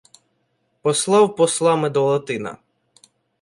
Послав послами до Латина